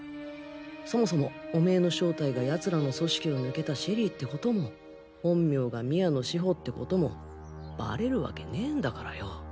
そもそもオメーの正体が奴らの組織を抜けたシェリーって事も本名が宮野志保って事もバレるワケねぇんだからよ。